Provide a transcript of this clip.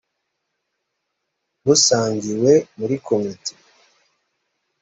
busangiwe muri komite